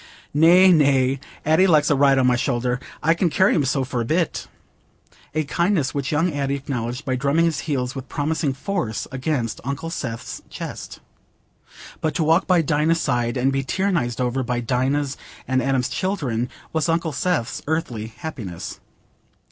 "Nay, nay: Addy likes a ride on my shoulder. I can carry him so for a bit." A kindness which young Addy acknowledged by drumming his heels with promising force against Uncle Seth's chest. But to walk by Dinah's side, and be tyrannized over by Dinah's and Adam's children, was Uncle Seth's earthly happiness.